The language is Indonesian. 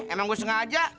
emang gue sengaja